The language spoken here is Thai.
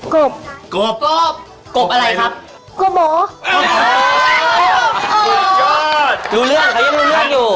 กบกบรอบกบอะไรครับกบยอดรู้เรื่องเขายังรู้เรื่องอยู่